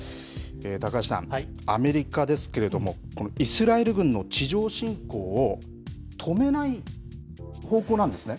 高橋さん、アメリカですけれども、このイスラエル軍の地上侵攻を、止めない方向なんですね。